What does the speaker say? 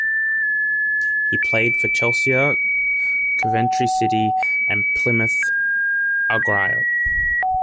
He played for Chelsea, Coventry City and Plymouth Argyle.